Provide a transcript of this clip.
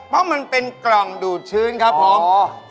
เพราะมันเป็นกล่องดูดชื้นครับผม